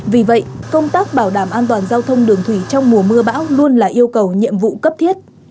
vì vậy công tác bảo đảm an toàn giao thông đường thủy trong mùa mưa bão luôn là yêu cầu nhiệm vụ cấp thiết